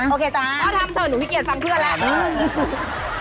โอเคจ๊ะพ่อทำเถอะหนูขี้เกียจฟังเพื่อนแล้ว